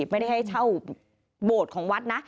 ไม่ได้ให้เช่าโบสถ์ของวัดนะ